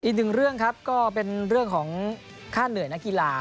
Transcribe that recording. อีกหนึ่งเรื่องครับก็เป็นเรื่องของค่าเหนื่อยนักกีฬา